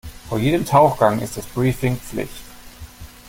Vor jedem Tauchgang ist das Briefing Pflicht.